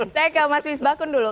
saya ke mas wis bakun dulu